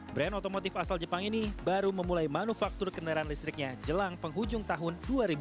brand otomotif asal jepang ini baru memulai manufaktur kendaraan listriknya jelang penghujung tahun dua ribu dua puluh